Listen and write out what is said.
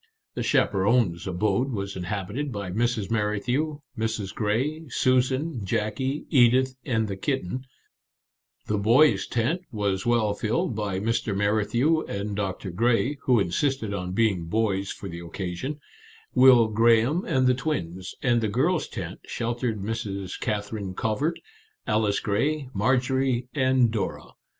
The chaperons' abode was inhabited by Mrs. Merrithew, Mrs. Grey, Susan, Jackie, Edith, and the kitten; "The Boys' Tent" was well filled by Mr. Merrithew and Doctor Grey (who insisted on being boys for the occasion), Will Graham, and the twins ; and "The Girls' Tent" sheltered Miss Kather ine Covert, Alice Grey, Marjorie, and Dora.